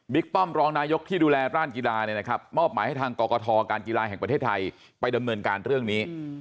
ป้อมรองนายกที่ดูแลร่านกีฬามอบหมายให้ทางกรกฐการกีฬาแห่งประเทศไทยไปดำเนินการเรื่องนี้